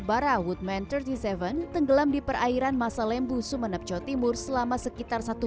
bara woodman tiga puluh tujuh tenggelam di perairan masa lembu sumeneb jawa timur selama sekitar satu